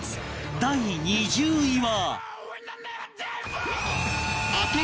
第２０位は